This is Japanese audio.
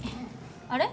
あれ？